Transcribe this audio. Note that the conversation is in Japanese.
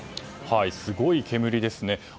すごい煙ですね。